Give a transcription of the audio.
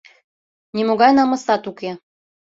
— Нимогай намысат уке.